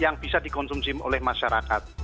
yang bisa dikonsumsi oleh masyarakat